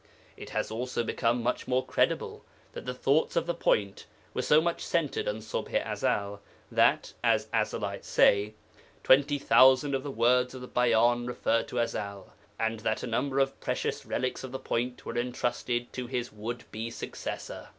It has also become much more credible that the thoughts of the Point were so much centred on Ṣubḥ i Ezel that, as Ezelites say, twenty thousand of the words of the Bayan refer to Ezel, and that a number of precious relics of the Point were entrusted to his would be successor.